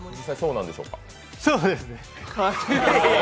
そうですね。